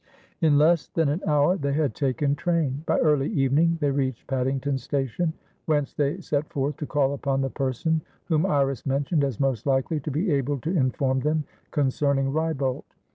In less than an hour they had taken train. By early evening they reached Paddington Station, whence they set forth to call upon the person whom Iris mentioned as most likely to be able to inform them concerning Wrybolt.